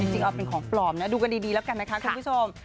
จริงเอาเป็นของปลอมนะดูกันดีแล้วกันนะคะคุณผู้ชม